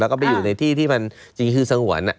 แล้วก็ไปอยู่ในที่ที่มันจริงคือสงวน